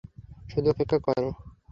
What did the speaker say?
শুধু অপেক্ষা কর।